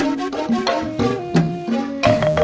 itu saya tahu